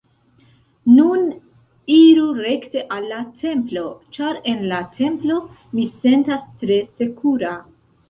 Nun, iru rekte al la templo, ĉar en la templo, mi sentas tre sekura.